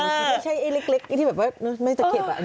ไม่ใช่ไอ้เล็กที่แบบไม่จะเก็บอ่ะ